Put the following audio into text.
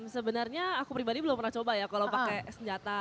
sebenarnya aku pribadi belum pernah coba ya kalau pakai senjata